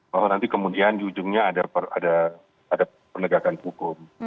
bahwa nanti kemudian di ujungnya ada penegakan hukum